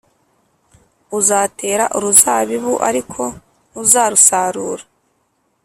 uzatera uruzabibu ariko ntuzarusarura